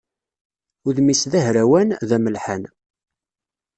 Udem-is d ahrawan, d amelḥan.